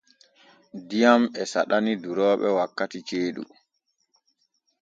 Diyam e saɗani durooɓe wakkati ceeɗu.